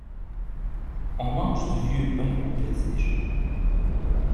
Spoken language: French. On mangue du vieux pain au petit-déjeuner.